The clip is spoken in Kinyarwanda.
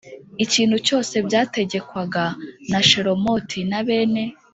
ikintu cyose byategekwaga na Shelomoti na bene